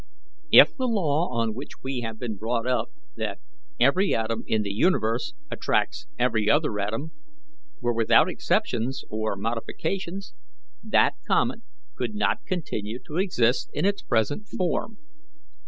If the law on which we have been brought up, that 'every atom in the universe attracts every other atom,' were without exceptions or modifications, that comet could not continue to exist in its present form.